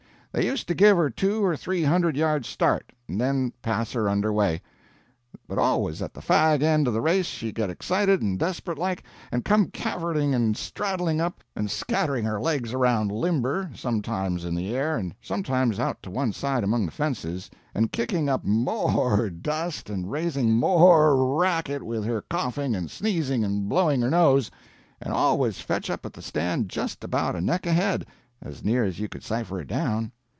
They used to give her two or three hundred yards' start, and then pass her under way; but always at the fag end of the race she get excited and desperate like, and come cavorting and straddling up, and scattering her legs around limber, sometimes in the air, and sometimes out to one side among the fences, and kicking up m o r e dust and raising m o r e racket with her coughing and sneezing and blowing her nose and always fetch up at the stand just about a neck ahead, as near as you could cipher it down.